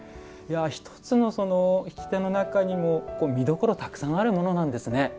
一つの引き手の中にも見どころたくさんあるものなんですね。